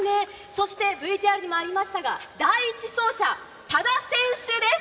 そしてＶＴＲにもありましたが、第１走者、多田選手です。